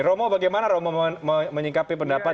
romo bagaimana romo menyingkapi pendapat